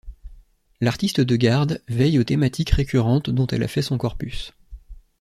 L'Artiste de garde veille aux thématiques récurrentes dont elle a fait son corpus.